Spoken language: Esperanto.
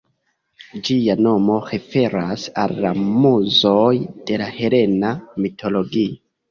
Ĝia nomo referas al la Muzoj de la helena mitologio.